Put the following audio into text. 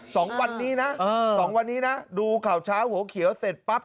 สองวันนี้นะเออสองวันนี้นะดูข่าวเช้าหัวเขียวเสร็จปั๊บ